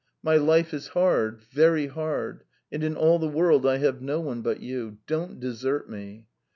Life is hard, very hard, and in the whole world I have no one but you. Don't leave me!